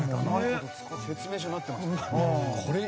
説明書になってました。